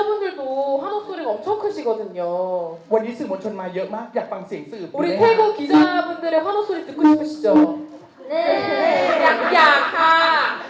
วันนี้สื่อมนต์ชนมาเยอะมากอยากฟังเสียงสื่อมนต์ชน